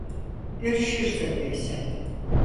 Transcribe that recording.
Görüşürüz öyleyse.